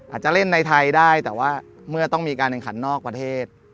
อาจจะเล่นในไทยได้แต่ว่าเมื่อต้องมีการแข่งขันนอกประเทศ